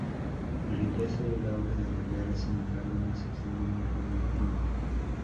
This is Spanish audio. La riqueza del auge de la guerra, sin embargo, no se extendió uniformemente.